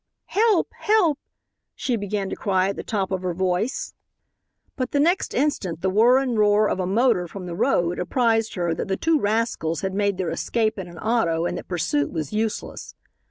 "Help! help!" she began to cry at the top of her voice. But the next instant the whirr and roar of a motor from the road apprised her that the two rascals had made their escape in an auto and that pursuit was useless.